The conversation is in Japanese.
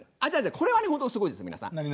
じゃあこれは本当にすごいです皆さん。